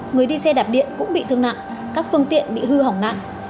người đi xe đạp điện cũng bị thương nặng các phương tiện bị hư hỏng nặng